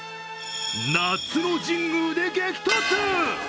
夏の神宮で激突。